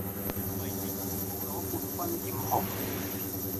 因為利物浦攞冠軍染紅